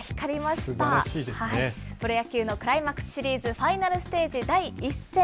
プロ野球のクライマックスシリーズ、ファイナルステージ第１戦。